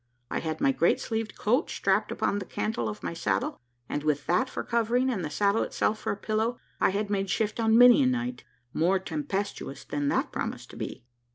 I had my great sleeved cloak strapped upon the cantle of my saddle; and with that for a covering, and the saddle itself for a pillow, I had made shift on many a night, more tempestuous than that promised to be.